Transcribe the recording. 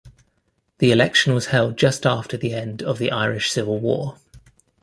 The election was held just after the end of the Irish Civil War.